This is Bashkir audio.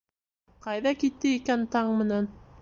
Ҡайҙа китте икән таң менән?